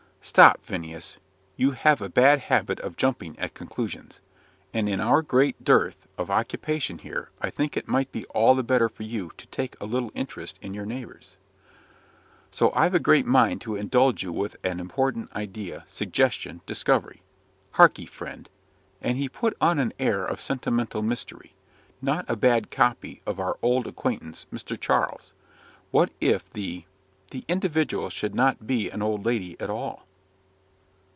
"Stop, Phineas: you have a bad habit of jumping at conclusions. And in our great dearth of occupation here, I think it might be all the better for you to take a little interest in your neighbours. So I've a great mind to indulge you with an important idea, suggestion, discovery. Harkee, friend!" and he put on an air of sentimental mystery, not a bad copy of our old acquaintance, Mr. Charles "what if the the individual should not be an old lady at all?"